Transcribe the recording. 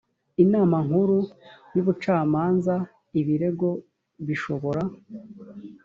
inama nkuru y ubucamanza ibirego bishobora